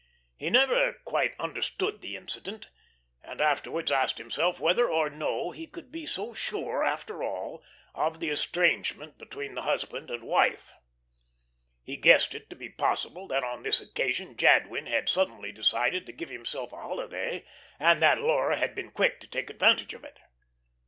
He never quite understood the incident, and afterwards asked himself whether or no he could be so sure, after all, of the estrangement between the husband and wife. He guessed it to be possible that on this occasion Jadwin had suddenly decided to give himself a holiday, and that Laura had been quick to take advantage of it.